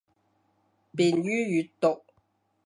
便于阅读